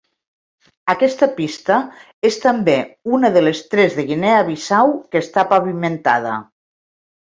Aquesta pista és també una de les tres de Guinea Bissau que està pavimentada.